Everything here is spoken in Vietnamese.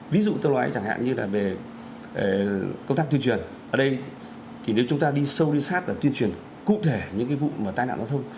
ví dụ tôi nói chẳng hạn như là về công tác tuyên truyền ở đây thì nếu chúng ta đi sâu đi sát là tuyên truyền cụ thể những cái vụ tai nạn giao thông